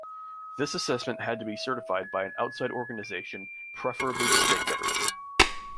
This assessment had to be certified by an outside organization, preferably the state government.